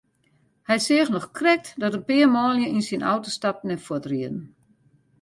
Hy seach noch krekt dat in pear manlju yn syn auto stapten en fuortrieden.